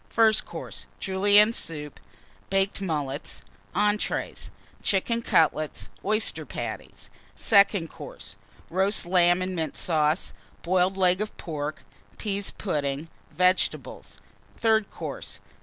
FIRST COURSE. Julienne Soup. Baked Mullets. ENTREES. Chicken Cutlets. Oyster Patties. SECOND COURSE. Roast Lamb and Mint Sauce. Boiled Leg of Pork. Pease Pudding. Vegetables. THIRD COURSE.